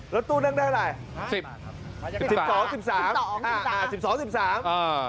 รถตู้นั่งได้เมื่อไหร่